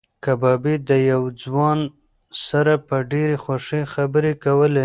کبابي د یو ځوان سره په ډېرې خوښۍ خبرې کولې.